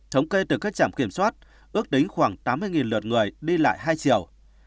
chống kê từ các trạm kiểm soát ước tính khoảng tám mươi lượt người đi lại hai triệu